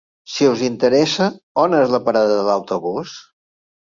Si us interessa, on és la parada de l'autobús?